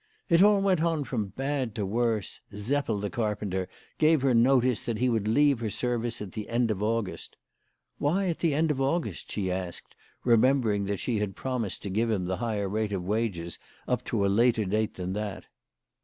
It all went on from bad to worse. Seppel the car penter gave her notice that he would leave her service at the end of August. " Why at the end of August ?" she asked, remembering that she had promised to give him the higher rate of wages up to a later date than that.